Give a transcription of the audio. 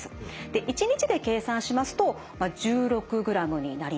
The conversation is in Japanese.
１日で計算しますと１６グラムになります。